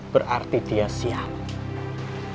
berarti dia sial